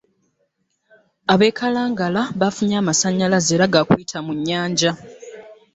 Ab'e Kalangala bafunye amasannyalaze era ga kuyita mu nnyanja